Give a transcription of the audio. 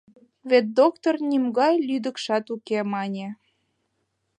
Вет доктор «Нимогай лӱдыкшат уке» мане.